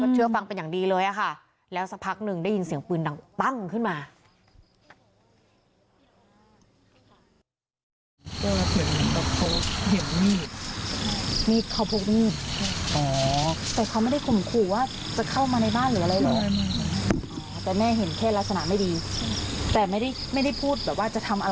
เชื่อฟังเป็นอย่างดีเลยค่ะแล้วสักพักหนึ่งได้ยินเสียงปืนดังปั้งขึ้นมา